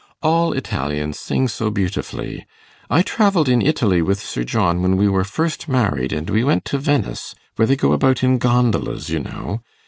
'All Italians sing so beautifully. I travelled in Italy with Sir John when we were first married, and we went to Venice, where they go about in gondolas, you know.